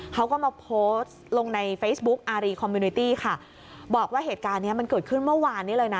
เขาก็มาโพสต์ลงในเฟซบุ๊กอารีคอมมิวนิตี้ค่ะบอกว่าเหตุการณ์เนี้ยมันเกิดขึ้นเมื่อวานนี้เลยนะ